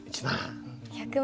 １万。